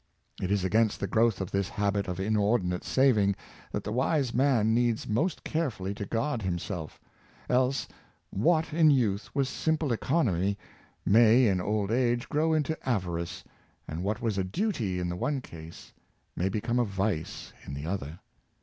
It is against the growth of this habit of inordinate saving that the wise man needs most carefully to guard himself; else, what in youth was simple economy, may in old age grow into avarice, and what was a duty in the one case, may become a vice in the other.